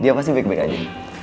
dia pasti baik baik aja